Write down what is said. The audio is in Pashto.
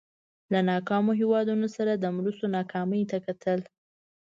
له ناکامو هېوادونو سره د مرستو ناکامۍ ته کتل.